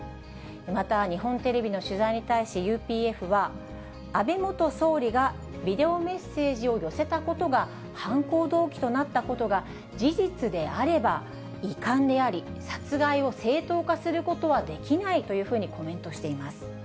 また日本テレビの取材に対し、ＵＰＦは、安倍元総理がビデオメッセージを寄せたことが、犯行動機となったことが事実であれば、遺憾であり、殺害を正当化することはできないというふうにコメントしています。